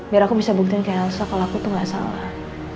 biar aku bisa buktiin kayak elsa kalau aku tuh gak salah